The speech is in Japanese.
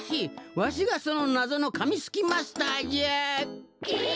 わしがそのなぞのかみすきマスターじゃ！え！？